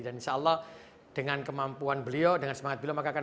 dan insya allah dengan kemampuan beliau dengan semangat beliau maka akan